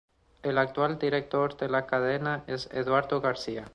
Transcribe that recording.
El actual director de la cadena es Eduardo García.